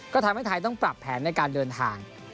ก็ทำให้ไทยต้องปรับแผนในการเดินทาง